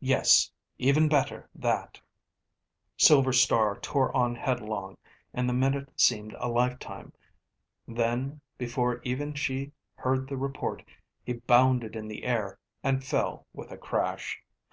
Yes, even better that! Silver Star tore on headlong and the minute seemed a lifetime. Then before even she heard the report he bounded in the air and fell with a crash.